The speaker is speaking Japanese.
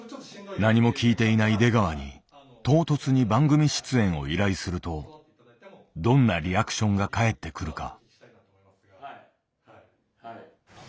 何も聞いていない出川に唐突に番組出演を依頼するとどんなリアクションが返ってくるか。